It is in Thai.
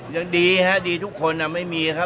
ยังดีฮะดีทุกคนไม่มีครับ